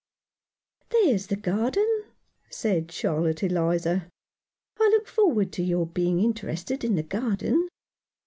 " There's the garden," said Charlotte Eliza ;" I looked forward to your being interested in the garden."